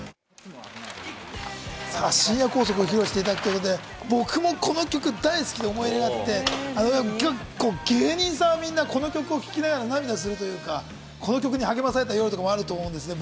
『深夜高速』を披露していただくということで、僕もこの曲、大好きな思い出があって、芸人さんは、みんなこの曲を聴きながら涙するというか、この曲に励まされた夜もあると思います。